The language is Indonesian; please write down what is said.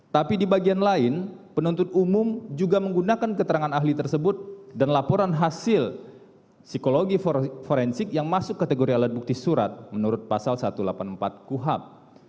tapi di bagian lain penuntut umum juga menggunakan keterangan ahli tersebut dan laporan hasil psikologi forensik yang masuk kategori alat bukti surat menurut pasal satu ratus delapan puluh empat kuhap